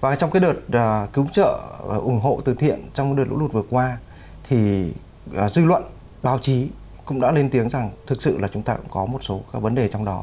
và trong cái đợt cứu trợ và ủng hộ từ thiện trong đợt lũ lụt vừa qua thì dư luận báo chí cũng đã lên tiếng rằng thực sự là chúng ta cũng có một số các vấn đề trong đó